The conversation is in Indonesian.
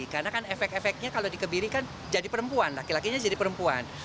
karena kan efek efeknya kalau dikebiri kan jadi perempuan laki lakinya jadi perempuan